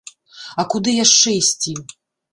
А куды яшчэ ісці?